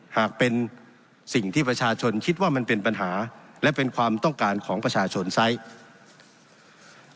หากเป็นสิ่งที่ประชาชนคิดว่ามันเป็นปัญหาและเป็นความต้องการของประชาชนไซส์